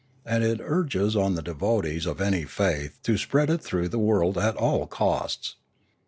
And it urges on the devotees of any faith to spread it through the world at all costs.